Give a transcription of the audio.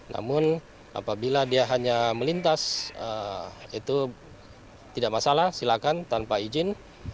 namun apabila dia hanya melintas itu tidak masalah silakan tanpa izin